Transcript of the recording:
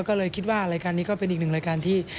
ก็เลยคิดว่ารายการนี้ก็เป็นอีกหนึ่งรายการที่